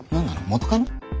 元カノ？